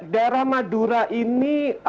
daerah madura ini